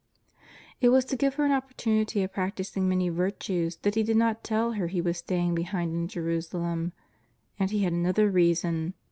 It was to give her an opportunity of practising many virtues that He did not tell her He was staying behind in Jerusalem. And He had another reason.